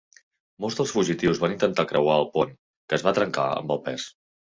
Molts dels fugitius van intentar creuar el pont, que es va trencar amb el pes.